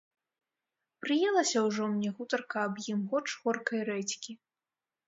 Прыелася ўжо мне гутарка аб ім горш горкай рэдзькі.